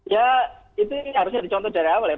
ya itu harusnya dicontoh dari awal ya